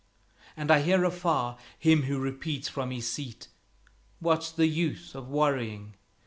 And I hear afar him who repeats from his seat, "What's the use of worrying?"